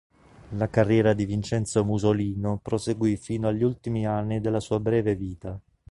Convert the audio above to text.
La carriera di Vincenzo Musolino proseguì fino agli ultimi anni della sua breve vita.